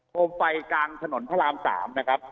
มไฟกลางถนนพระราม๓นะครับ